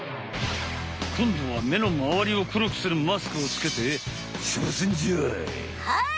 こんどは目のまわりを黒くするマスクをつけてちょうせんじゃい！